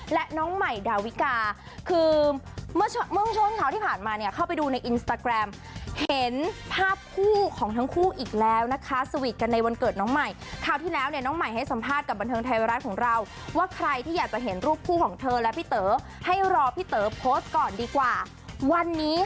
และคู่สุดหวานพร้อมแคปชั่นเวย์พรรณวันเกิดว่า